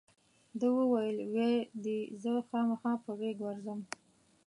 ده وویل وی دې زه خامخا په غېږ ورځم.